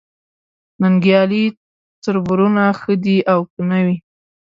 ننګیالي تربرونه ښه دي او که نه وي